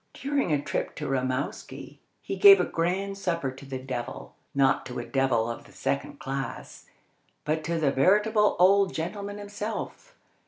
During a trip to Rimouski he gave a grand supper to the devil, not to a devil of the second class, but to the veritable old gentleman himself.